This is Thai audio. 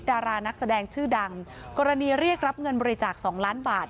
ดารานักแสดงชื่อดังกรณีเรียกรับเงินบริจาค๒ล้านบาท